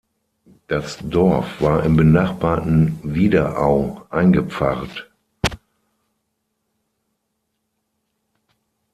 Das Dorf war im benachbarten Wiederau eingepfarrt.